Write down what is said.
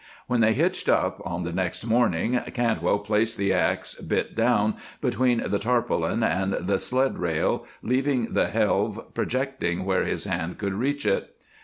When they hitched up, on the next morning, Cantwell placed the ax, bit down, between the tarpaulin and the sled rail, leaving the helve projecting where his hand could reach it.